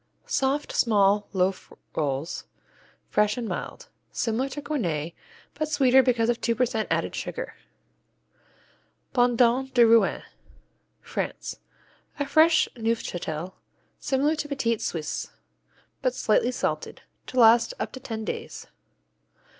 Soft, small loaf rolls, fresh and mild. Similar to Gournay, but sweeter because of 2% added sugar. Bondon de Rouen France A fresh Neufchâtel, similar to Petit Suisse, but slightly salted, to last up to ten days.